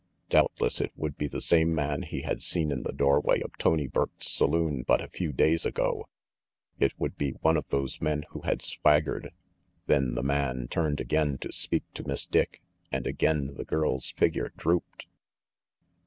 Doubtless it would be the same man he had seen in the doorway of Tony Burke's saloon but a few days ago; it would be one of those men who had swaggered then the man turned again to speak to Miss Dick, and again the girl's figure drooped.